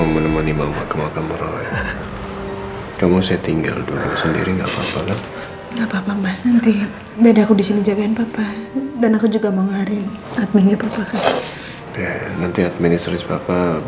terima kasih pak